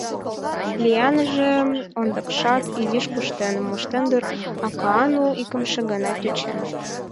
Леэнаже ондакшат изиш куштен моштен дыр, а Каану икымше гана тӧчен.